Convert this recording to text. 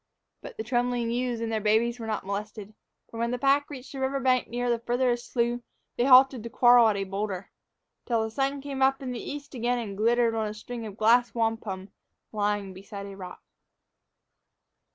But the trembling ewes and their babies were not molested; for when the pack reached the river bank near the farthest slough, they halted to quarrel at a boulder till the sun came up in the east again and glittered on a string of glass wampum lying beside the rock.